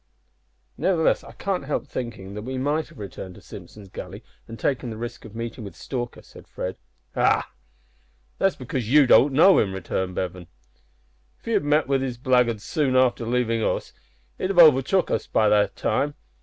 "Nevertheless, I can't help thinking that we might have returned to Simpson's Gully, and taken the risk of meeting with Stalker," said Fred. "Ha! that's because you don't know him," returned Bevan. "If he had met with his blackguards soon after leaving us, he'd have overtook us by this time.